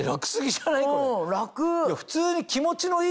普通に。